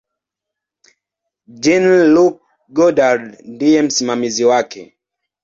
Jean-Luc Godard ndiye msimamizi wake.